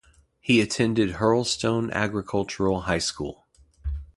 He attended Hurlstone Agricultural High School.